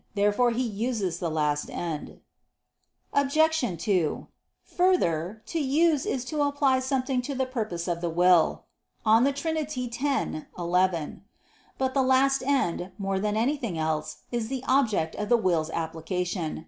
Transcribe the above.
Therefore he uses the last end. Obj. 2: Further, "to use is to apply something to the purpose of the will" (De Trin. x, 11). But the last end, more than anything else, is the object of the will's application.